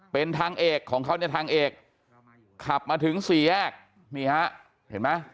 เป็นทางเอกของเขาเนี่ยทางเอกขับมาถึงสี่แยกนี่ฮะเห็นไหม